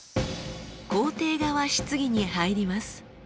肯定側質疑に入ります。